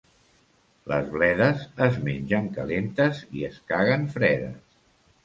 Les bledes es mengen calentes i es caguen fredes.